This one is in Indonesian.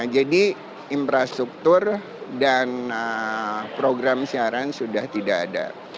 jadi infrastruktur dan program siaran sudah tidak ada